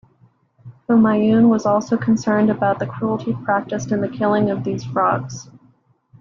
Humayun was also concerned about the cruelty practiced in the killing of these frogs.